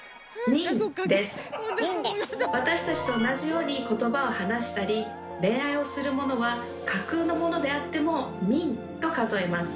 私たちと同じようにことばを話したり恋愛をするものは架空のものであっても「人」と数えます。